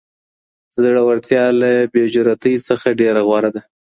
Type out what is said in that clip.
زړورتیا له بې جرأتۍ څخه ډیره غوره ده.